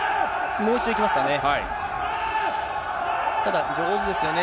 もう一度いきますかね。